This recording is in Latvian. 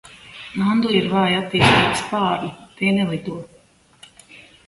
Nandu ir vāji attīstīti spārni, tie nelido.